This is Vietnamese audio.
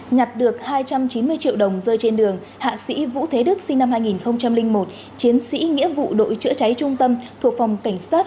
nhặt được hai trăm chín mươi triệu đồng rơi trên đường hạ sĩ vũ thế đức sinh năm hai nghìn một chiến sĩ nghĩa vụ đội chữa cháy trung tâm thuộc phòng cảnh sát